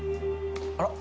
あら？